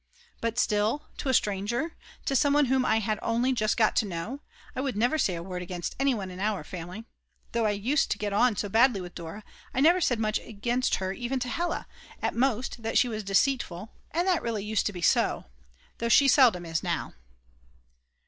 But still, to a stranger, to some one whom I had only just got to know, I would never say a word against anyone in our family; though I used to get on so badly with Dora, I never said much against her even to Hella; at most that she was deceitful, and that really used to be so, though she seldom is now.